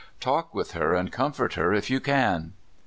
Talk with her, and comfort her if you can."